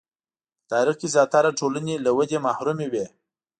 په تاریخ کې زیاتره ټولنې له ودې محرومې وې.